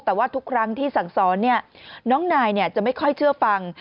แต่ว่าทุกครั้งที่สั่งสอนน้องนายจะไม่ค่อยเชื่อฟัง